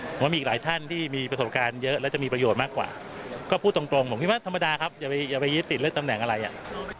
ผมว่ามีอีกหลายท่านที่มีประสบการณ์เยอะและจะมีประโยชน์มากกว่าก็พูดตรงผมคิดว่าธรรมดาครับอย่าไปยึดติดเรื่องตำแหน่งอะไรอ่ะ